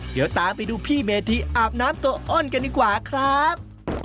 เดี๋ยวตามไปดูพี่เมธิอาบน้ำตัวอ้นกันดีกว่าครับ